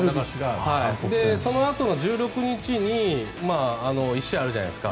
そのあとの１６日に１試合あるじゃないですか。